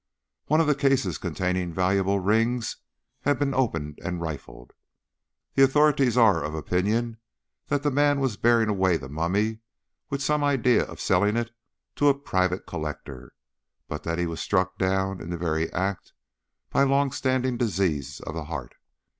One of the cases containing valuable rings had been opened and rifled. The authorities are of opinion that the man was bearing away the mummy with some idea of selling it to a private collector, but that he was struck down in the very act by long standing disease of the heart.